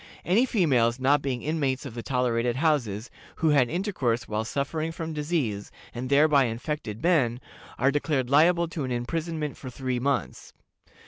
Any females, not being inmates of the tolerated houses, who had intercourse while suffering from disease, and thereby infected men, are declared liable to an imprisonment for three months.